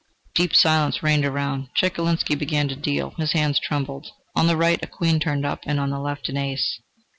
Deep silence reigned around. Chekalinsky began to deal; his hands trembled. On the right a queen turned up, and on the left an ace.